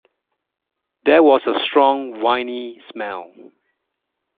There was a strong, winey smell.